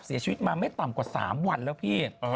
เสียชีวิตมาไม่ต่ำกว่า๓วันแล้วพี่